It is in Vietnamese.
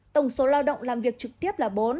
tổng số lao động làm việc trực tiếp là bốn